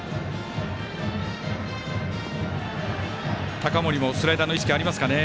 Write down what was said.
高森もスライダーの意識ありますかね。